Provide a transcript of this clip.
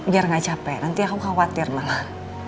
biar gak capek nanti aku khawatir malah